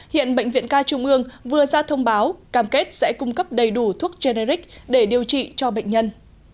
hiện bệnh viện ca trung ương vừa ra thông báo cam kết sẽ cung cấp đầy đủ thuốc generic để điều trị cho bệnh nhân